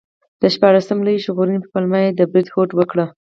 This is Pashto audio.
د شپاړسم لویي ژغورنې په پلمه یې د برید هوډ وکړ.